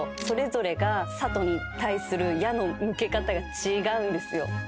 それぞれが佐都に対する矢の向け方が違うんですよ。